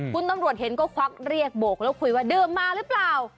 คุณตำรวจเห็นก็ควักเรียกโบกแล้วคุยว่าดื่มมาหรือเปล่า